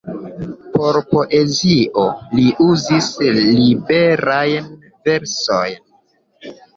Por poezio li uzis liberajn versojn.